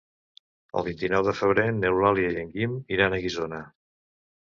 El vint-i-nou de febrer n'Eulàlia i en Guim iran a Guissona.